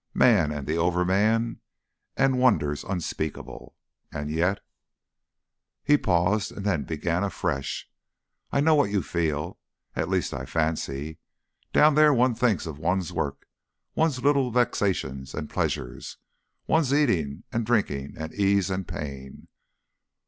Man and the Overman and wonders unspeakable. And yet ..." He paused, and then began afresh. "I know what you feel. At least I fancy.... Down there one thinks of one's work, one's little vexations and pleasures, one's eating and drinking and ease and pain.